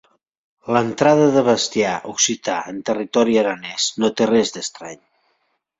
L'entrada de bestiar occità en territori aranès no té res d'estrany.